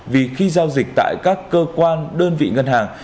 vì khi giao dịch tại các cơ quan đơn vị ngân hàng